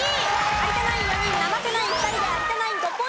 有田ナイン４人生瀬ナイン２人で有田ナイン５ポイント獲得です。